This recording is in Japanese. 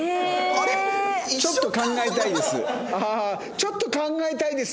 「ちょっと考えたいです」